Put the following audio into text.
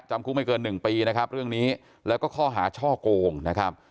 จำคุกไม่เกินหนึ่งปีนะครับเรื่องนี้แล้วก็ข้อหาช่อโกงนะครับ